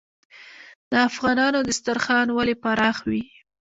د افغانانو دسترخان ولې پراخ وي؟